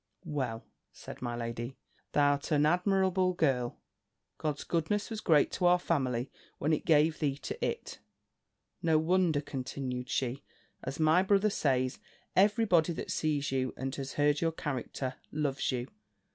"Well," said my lady, "thou'rt an admirable girl! God's goodness was great to our family, when it gave thee to it. No wonder," continued she, "as my brother says, every body that sees you, and has heard your character, loves you.